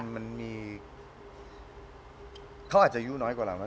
มันมีเขาอาจจะอายุน้อยกว่าเราไหม